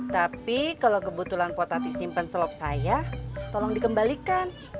tapi kalau kebetulan pak tati simpan selop saya tolong dikembalikan